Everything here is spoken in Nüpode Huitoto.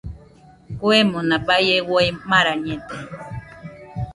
Kuemona baie uai marañede.